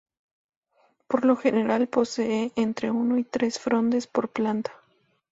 Por lo general posee entre uno o tres frondes por planta.